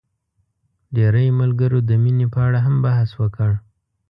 ډېری ملګرو د مينې په اړه هم بحث وکړ.